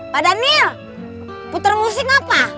pak daniel puter musik apa